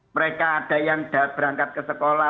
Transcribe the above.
mereka ada yang berangkat ke sekolah